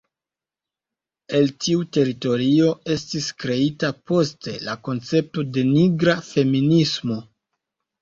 El tiu teorio estis kreita poste la koncepto de Nigra feminismo.